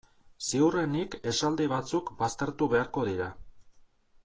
Ziurrenik esaldi batzuk baztertu beharko dira.